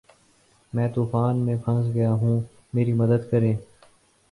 میں طوفان میں پھنس گیا ہوں میری مدد کریں